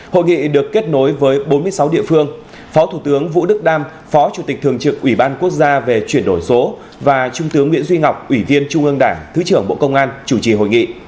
hội nghị được kết nối với bốn mươi sáu địa phương phó thủ tướng vũ đức đam phó chủ tịch thường trực ủy ban quốc gia về chuyển đổi số và trung tướng nguyễn duy ngọc ủy viên trung ương đảng thứ trưởng bộ công an chủ trì hội nghị